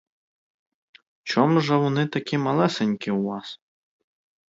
Чом же вони такі малесенькі у вас?